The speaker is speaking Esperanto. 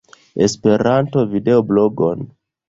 Esperanto-videoblogon